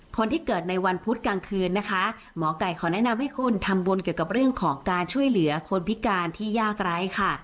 คนที่เกิดในวันพุธกลางคืนนะคะหมอไก่ขอแนะนำให้คุณทำบุญเกี่ยวกับเรื่องของการช่วยเหลือคนพิการที่ยากไร้ค่ะ